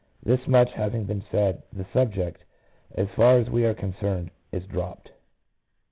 This much having been said, the subject, as far as we are concerned, is dropped.